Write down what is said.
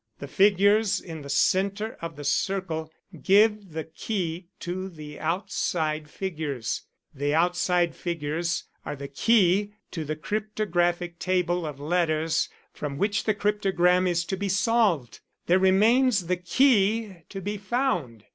The figures in the centre of the circle give the key to the outside figures: the outside figures are the key to the cryptographic table of letters from which the cryptogram is to be solved; there remains the key to be found.